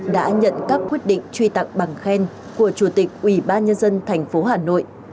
đã nhận các quyết định truy tặng bằng khen của chủ tịch ủy ban nhân dân tp hà nội